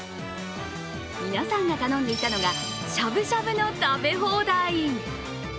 皆さんが頼んでいたのがしゃぶしゃぶの食べ放題。